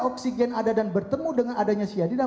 oksigen ada dan bertemu dengan adanya cyanida